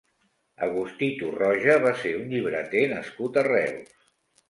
Agustí Torroja va ser un llibreter nascut a Reus.